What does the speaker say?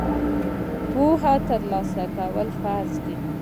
د پوهې ترلاسه کول فرض دي.